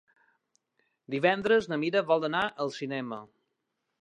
Divendres na Mira vol anar al cinema.